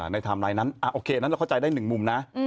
ในทามไลน์นั้นโอเคเราเข้าใจได้หนึ่งมุมนะ